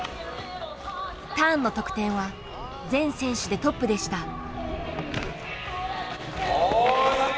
ターンの得点は全選手でトップでした。